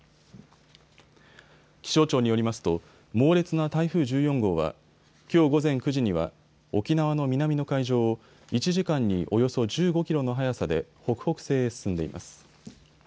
気象庁によりますと猛烈な台風１４号はきょう午前９時には沖縄の南の海上を１時間におよそ１５キロの速さで北北西へ進んでいます。